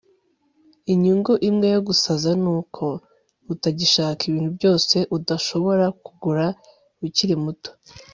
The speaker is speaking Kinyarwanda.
Inyungu imwe yo gusaza nuko utagishaka ibintu byose udashobora kugura ukiri muto